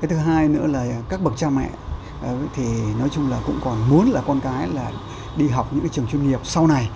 cái thứ hai nữa là các bậc cha mẹ thì nói chung là cũng còn muốn là con cái là đi học những cái trường chuyên nghiệp sau này